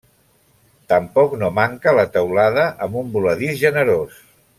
Tampoc no manca la teulada amb un voladís generós.